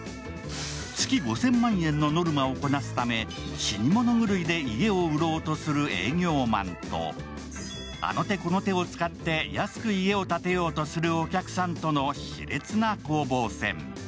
月５０００万円のノルマをこなすため死に物狂いで家を売ろうとする営業マンとあの手この手を使って安く家を建てようとするお客さんとのしれつな攻防戦。